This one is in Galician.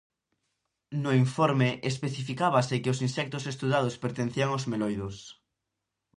No informe especificábase que os insectos estudados pertencían aos meloidos.